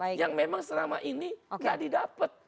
yang memang selama ini gak didapet